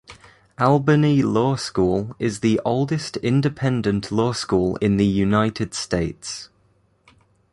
Albany Law School is the oldest independent law school in the United States.